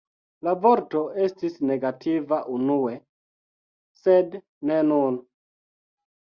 La vorto estis negativa unue, sed ne nun.